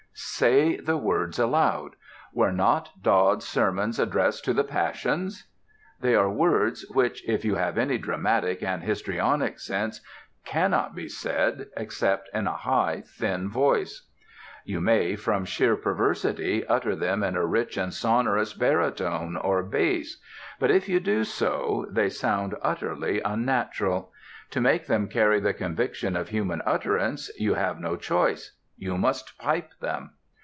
Say the words aloud: "Were not Dodd's sermons addressed to the passions?" They are words which, if you have any dramatic and histrionic sense, cannot be said except in a high, thin voice. You may, from sheer perversity, utter them in a rich and sonorous baritone or bass. But if you do so, they sound utterly unnatural. To make them carry the conviction of human utterance, you have no choice: you must pipe them.